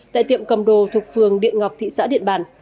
tại tiệm cầm đồ thuộc phường điện ngọc thị xã điện bàn